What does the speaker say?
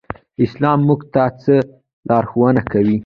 اسلام موږ ته څه لارښوونه کوي؟